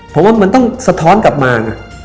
ผมว่ามันต้องสะท้อนกลับมา